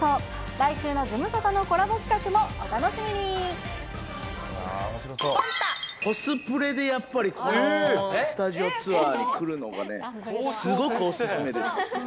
来週のズムサタのコスプレでやっぱり、このスタジオツアーに来るのがすごくお勧めです。